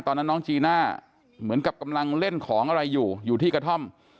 น้องจีน่าเหมือนกับกำลังเล่นของอะไรอยู่อยู่ที่กระท่อม